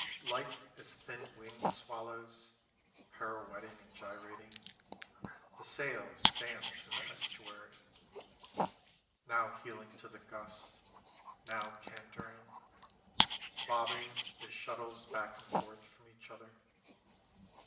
_ Light as thin winged swallows pirouetting and gyrating, The sails dance in the estuary: Now heeling to the gust, now cantering, Bobbing as shuttles back and forth from each other.